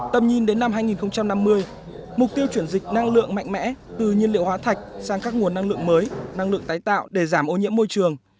tầm nhìn đến năm hai nghìn năm mươi mục tiêu chuyển dịch năng lượng mạnh mẽ từ nhiên liệu hóa thạch sang các nguồn năng lượng mới năng lượng tái tạo để giảm ô nhiễm môi trường